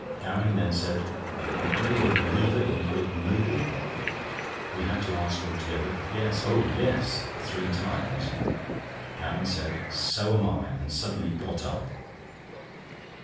Gowing then said: "Are you a believer in the Great Mogul?" We had to answer all together: "Yes—oh, yes!" (three times). Gowing said: "So am I," and suddenly got up.